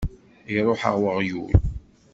Iṛuḥ-aɣ weɣyul!